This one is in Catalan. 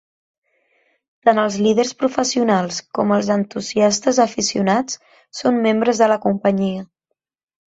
Tant els líders professionals com els entusiastes aficionats són membres de la Companyia.